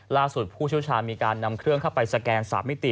ผู้เชี่ยวชาญมีการนำเครื่องเข้าไปสแกน๓มิติ